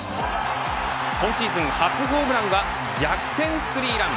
今シーズン初ホームランは逆転スリーラン。